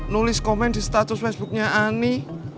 nulis komen di status facebooknya ani